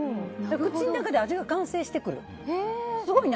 口の中で味が完成してくる。